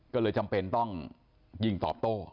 ก็เลยจำเป็นต้องยิงตอบโต้